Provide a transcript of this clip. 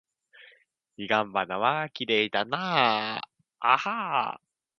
彼岸花はきれいだな。